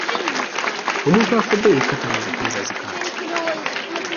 Omuntu afudde yekka tayinza kwezazika ati.